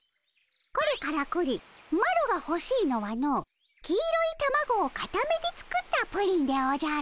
これからくりマロがほしいのはの黄色いたまごをかためて作ったプリンでおじゃる！